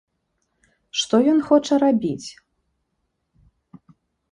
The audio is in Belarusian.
Што ён хоча рабіць?